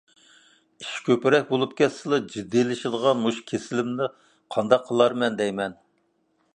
ئىش كۆپرەك بولۇپ كەتسىلا جىددىيلىشىدىغان مۇشۇ كېسىلىمنى قانداق قىلارمەن دەيمەن؟